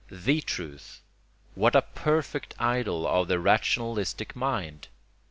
THE Truth: what a perfect idol of the rationalistic mind!